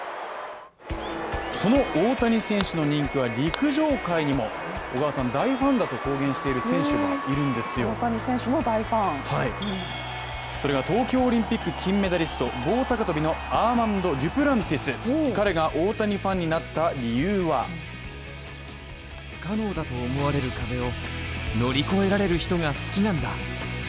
その大谷選手の人気は陸上界にも大ファンだと公言している選手がそれは東京オリンピック金メダリスト、棒高跳びのアーマンド・デュプランティス大谷ファンになった理由は不可能だと思われる壁を乗り越えられる人が好きなんだ。